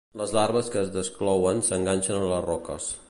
Les larves que es desclouen s'enganxen a les roques.